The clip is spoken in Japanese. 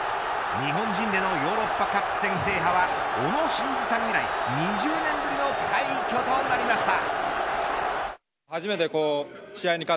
日本人でのヨーロッパカップ戦制覇は小野伸二さん以来２０年ぶりの快挙となりました。